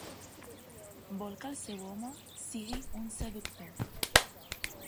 Vol que el seu home sigui un seductor.